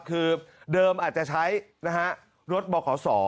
คือเดิมอาจจะใช้รถบขส